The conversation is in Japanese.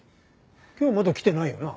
今日まだ来てないよな。